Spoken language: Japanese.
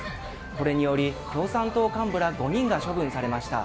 これにより共産党幹部ら５人が処分されました。